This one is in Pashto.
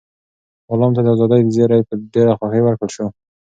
غلام ته د ازادۍ زېری په ډېره خوښۍ ورکړل شو.